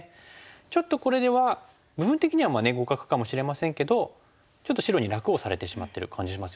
ちょっとこれでは部分的には互角かもしれませんけどちょっと白に楽をされてしまってる感じしますよね。